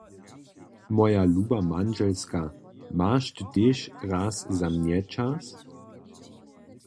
Moja luba mandźelska, maš ty tež raz za mnje čas?